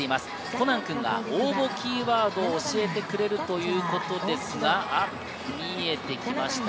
コナン君が応募キーワードを教えてくれるということですが、見えてきました。